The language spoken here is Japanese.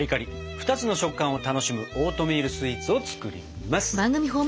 ２つの食感を楽しむオートミールスイーツを作ります！